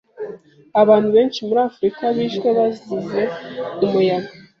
Abantu benshi muri Afrika bishwe bazize umuyaga.